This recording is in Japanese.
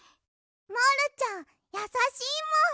モールちゃんやさしいもん。